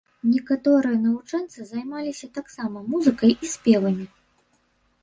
Некаторыя навучэнцы займаліся таксама музыкай і спевамі.